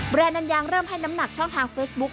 อันยางเริ่มให้น้ำหนักช่องทางเฟซบุ๊ค